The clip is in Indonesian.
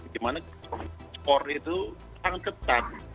di mana skor itu sangat tetap